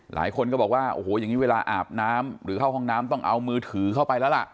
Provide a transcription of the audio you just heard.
หลายคนก็บอกว่าโอ้โหอย่างนี้เวลาอาบน้ำหรือเข้าห้องน้ำต้องเอามือถือเข้าไปแล้วล่ะ